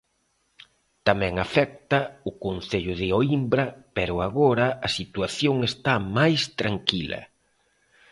Tamén afecta o concello de Oímbra, pero agora a situación está máis tranquila.